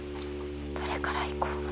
どれから行こう？